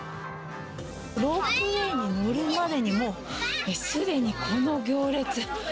ロープウエーに乗るまでに、もうすでにこの行列。